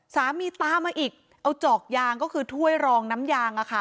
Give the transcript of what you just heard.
สามีตามมาอีกเอาจอกยางก็คือถ้วยรองน้ำยางอะค่ะ